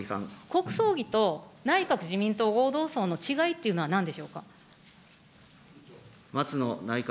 国葬儀と内閣・自民党合同葬の違いというのはなんでしょうか。